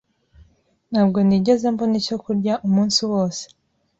Ntabwo nigeze mbona icyo kurya umunsi wose